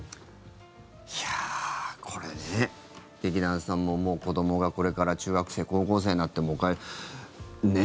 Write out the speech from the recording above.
いやあ、これね劇団さんももう子どもがこれから中学生、高校生になってもね。